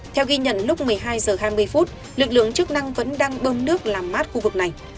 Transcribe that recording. theo ghi nhận lúc một mươi hai h hai mươi phút lực lượng chức năng vẫn đang bơm nước làm mát khu vực này